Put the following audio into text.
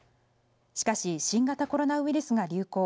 しかし、新型コロナウイルスが流行。